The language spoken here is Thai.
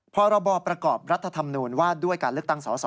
พรบประกอบรัฐธรรมนูญว่าด้วยการเลือกตั้งสส